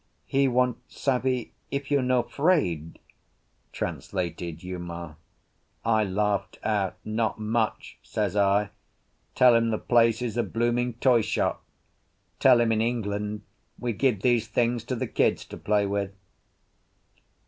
"He want savvy if you no 'fraid?" translated Uma. I laughed out. "Not much!" says I. "Tell him the place is a blooming toy shop! Tell him in England we give these things to the kids to play with."